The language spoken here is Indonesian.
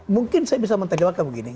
mungkin saya bisa mengetahui